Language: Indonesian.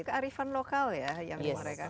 kearifan lokal ya yang mereka